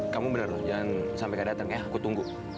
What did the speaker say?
kamu benar jangan sampai gak datang ya aku tunggu